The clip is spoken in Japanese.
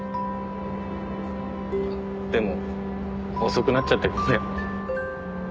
でも遅くなっちゃってごめん。